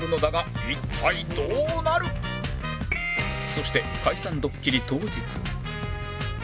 そして解散ドッキリ当日